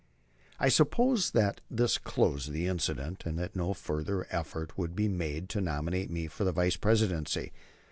I supposed that this closed the incident, and that no further effort would be made to nominate me for the Vice Presidency.